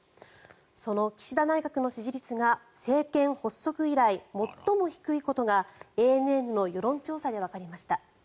その岸田内閣の支持率が政権発足以来最も低いことがＡＮＮの世論調査でわかりました。